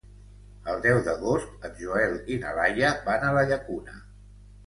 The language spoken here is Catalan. El deu d'agost en Joel i na Laia van a la Llacuna.